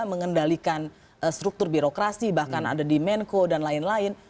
mengendalikan struktur birokrasi bahkan ada di menko dan lain lain